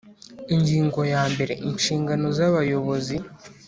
Ingingo ya mbere Inshingano z Abayobozi